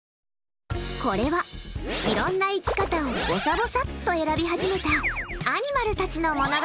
これは、いろんな生き方をぼさぼさっと選び始めたアニマルたちの物語。